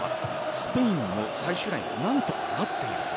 スペインの最終ライン何とかなっている。